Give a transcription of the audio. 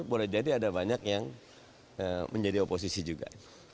boleh jadi ada banyak yang menjadi oposisi juga